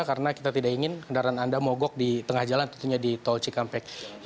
karena kita tidak ingin kendaraan anda mogok di tengah jalan tentunya di tolci karang utama